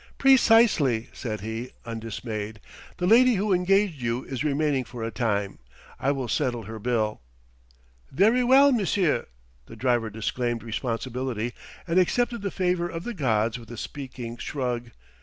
"Precisely," said he, undismayed. "The lady who engaged you is remaining for a time; I will settle her bill." "Very well, M'sieu'!" The driver disclaimed responsibility and accepted the favor of the gods with a speaking shrug.